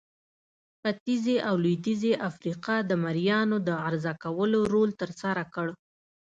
ختیځې او لوېدیځې افریقا د مریانو د عرضه کولو رول ترسره کړ.